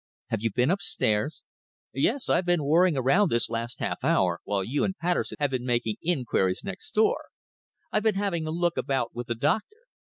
"Have you been upstairs?" "Yes, I've been worrying around this last half hour, while you and Patterson have been making inquiries next door. I've been having a look about with the Doctor.